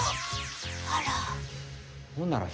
あら。